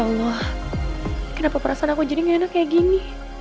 allah kenapa perasaan aku jadi gak enak kayak gini